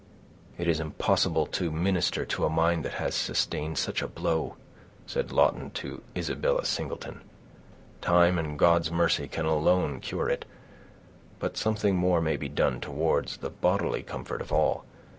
"It is impossible to minister to a mind that has sustained such a blow," said Lawton to Isabella Singleton. "Time and God's mercy can alone cure it, but something more may be done towards the bodily comfort of all.